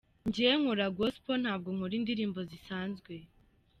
Njye nkora gospel ntabwo nkora indirimbo zisanzwe.